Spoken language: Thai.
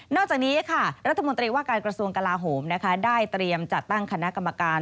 จากนี้ค่ะรัฐมนตรีว่าการกระทรวงกลาโหมนะคะได้เตรียมจัดตั้งคณะกรรมการ